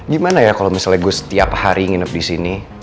gimana ya kalau misalnya gue setiap hari nginep di sini